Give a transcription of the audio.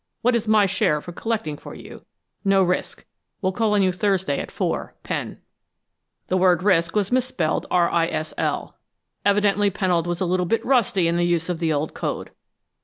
What is my share for collecting for you? No risk. Will call on you Thursday at four. Pen.' "The word risk was misspelled risl. Evidently Pennold was a little bit rusty in the use of the old code.